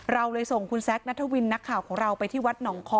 เราเลยส่งคุณแซคนัทวินนักข่าวของเราไปที่วัดหนองคอ